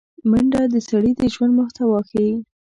منډه د سړي د ژوند محتوا ښيي